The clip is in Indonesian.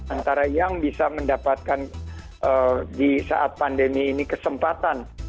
antara yang bisa mendapatkan di saat pandemi ini kesempatan